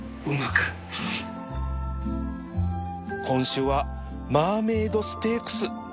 今週はマーメイドステークス。